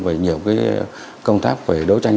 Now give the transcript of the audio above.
về nhiều cái công tác về đối tranh